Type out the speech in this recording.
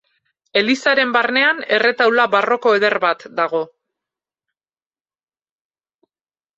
Elizaren barnean, erretaula barroko eder bat dago.